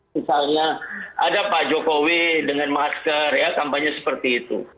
misalnya ada pak jokowi dengan masker ya kampanye seperti itu